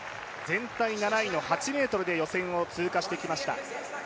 全体７位の８ｍで予選を通過してきました。